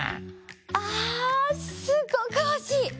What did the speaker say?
あすごくおしい！